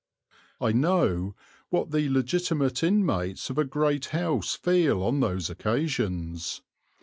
I know what the legitimate inmates of a great house feel on those occasions.